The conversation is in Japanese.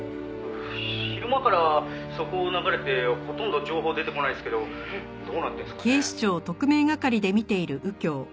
「昼間から速報流れてほとんど情報出てこないですけどどうなってるんですかね？」